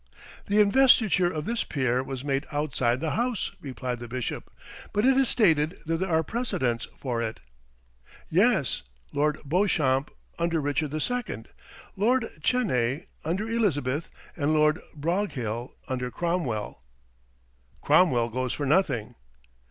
"The investiture of this peer was made outside the House," replied the bishop; "but it is stated that there are precedents for it." "Yes. Lord Beauchamp, under Richard II.; Lord Chenay, under Elizabeth: and Lord Broghill, under Cromwell." "Cromwell goes for nothing."